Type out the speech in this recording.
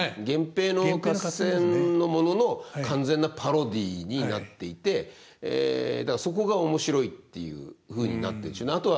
源平の合戦のものの完全なパロディーになっていてだからそこがおもしろいっていうふうになってんでしょうね。